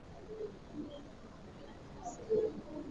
Tukio hilo lilishtua moyo